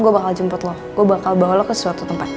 gue bakal jemput lo gue bakal bawa lo ke suatu tempat